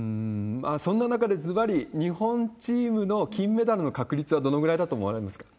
そんな中でずばり、日本チームの金メダルの確率はどのぐらいだと思われますか？